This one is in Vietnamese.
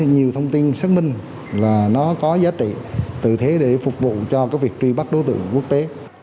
nhiều thông tin xác minh là nó có giá trị tự thế để phục vụ cho việc truy bắt đối tượng quốc tế